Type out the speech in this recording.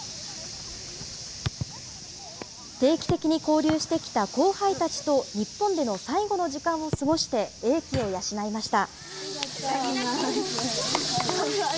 定期的に交流してきた後輩たちと、日本での最後の時間を過ごして英気を養いました。